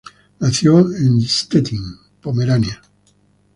Nació en Stettin en Pomerania.